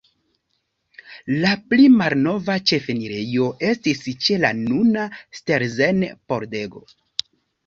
La pli malnova ĉefenirejo estis ĉe la nuna Stelzen-pordego.